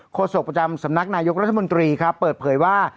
โศกประจำสำนักนายกรัฐมนตรีครับเปิดเผยว่า